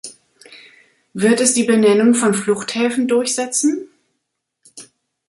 Wird es die Benennung von Fluchthäfen durchsetzen?